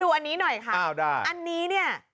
อันนี้หน่อยค่ะอันนี้เนี่ย